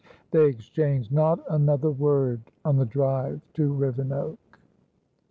They exchanged not another word on the drive to Rivenoak.